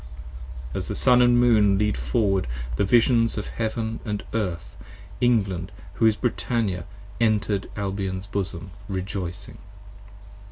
p. 96 AS the Sun & Moon lead forward the Visions of Heaven & Earth England, who is Brittannia, entered Albion's bosom rejoicing.